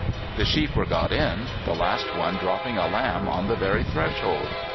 The sheep were got in, the last one dropping a lamb on the very threshold.